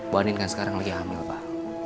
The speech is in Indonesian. bu anin kan sekarang lagi hamil pak